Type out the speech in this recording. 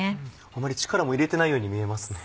あまり力も入れてないように見えますね。